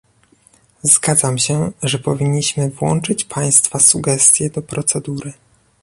Zgadzam się, że powinniśmy włączyć Państwa sugestie do procedury